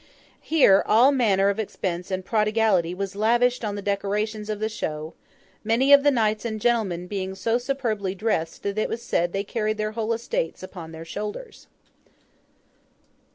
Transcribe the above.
Here, all manner of expense and prodigality was lavished on the decorations of the show; many of the knights and gentlemen being so superbly dressed that it was said they carried their whole estates upon their shoulders.